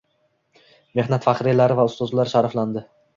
Mehnat faxriylari va ustozlar sharaflandi